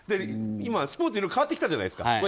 今、スポーツはいろいろ変わってきたじゃないですか。